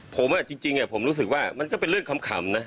ผมอ่ะจริงจริงเนี่ยผมรู้สึกว่ามันก็เป็นเรื่องขำขำนะ